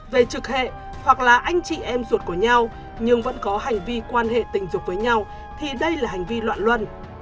về trực hệ hoặc là anh chị em ruột của nhau nhưng vẫn có hành vi quan hệ tình dục với nhau thì đây là hành vi loạn luân